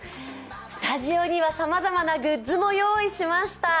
スタジオにはさまざまなグッズも用意しました。